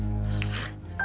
gak suka ya